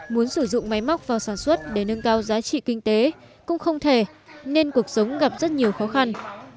muốn sử dụng máy móc vào sản xuất để nâng cao giá trị kinh tế cũng không thể nên cuộc sống gặp rất nhiều khó khăn